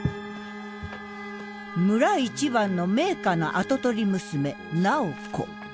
村一番の名家の跡取り娘楠宝子。